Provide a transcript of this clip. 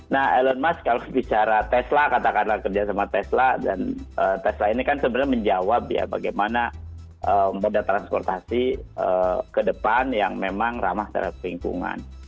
nah elon musk kalau bicara tesla katakanlah kerjasama tesla dan tesla ini kan sebenarnya menjawab ya bagaimana moda transportasi ke depan yang memang ramah terhadap lingkungan